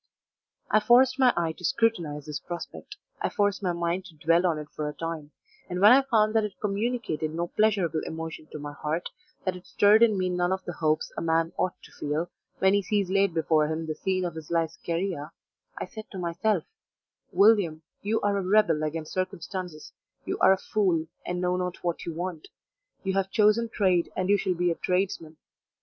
I forced my eye to scrutinize this prospect, I forced my mind to dwell on it for a time, and when I found that it communicated no pleasurable emotion to my heart that it stirred in me none of the hopes a man ought to feel, when he sees laid before him the scene of his life's career I said to myself, "William, you are a rebel against circumstances; you are a fool, and know not what you want; you have chosen trade and you shall be a tradesman.